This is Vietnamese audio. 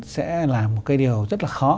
sẽ là một cái điều rất là khó